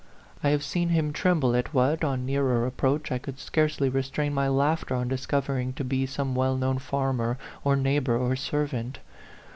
I have seen him tremble at what, on Dearer ap proach, I could scarcely restrain my laughter on discovering to be some well known farm er or neighbor or servant.